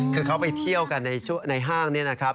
คือเขาไปเที่ยวกันในห้างนี่นะครับ